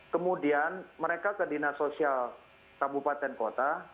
kemudian mereka ke dinas sosial kabupaten kota